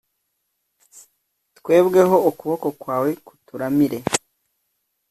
twebweho, ukuboko kwawe kuturamire!